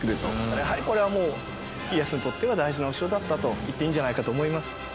やはりこれはもう家康にとっては大事なお城だったと言っていいんじゃないかと思います。